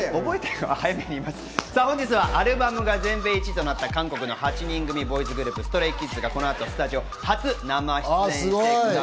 本日はアルバムが全米１位となった韓国の８人組ボーイズグループＳｔｒａｙＫｉｄｓがこの後、スタジオ初生出演です。